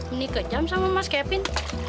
ini kejam sama mas kevin